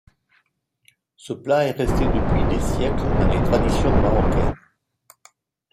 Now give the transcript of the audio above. Ce plat est resté depuis des siècles dans les traditions marocaines.